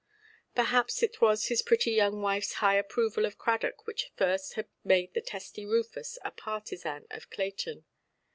Perhaps it was his pretty young wifeʼs high approval of Cradock which first had made the testy Rufus a partisan of Clayton.